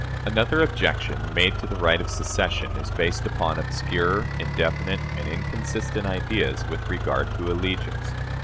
Another objection made to the right of secession is based upon obscure, indefinite, and inconsistent ideas with regard to allegiance.